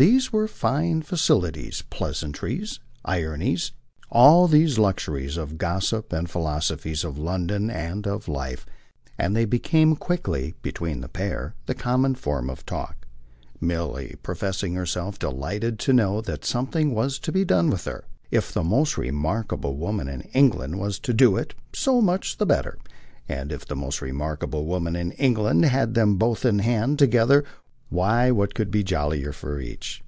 These were fine facilities, pleasantries, ironies, all these luxuries of gossip and philosophies of London and of life, and they became quickly, between the pair, the common form of talk, Milly professing herself delighted to know that something was to be done with her. If the most remarkable woman in England was to do it, so much the better, and if the most remarkable woman in England had them both in hand together why what could be jollier for each?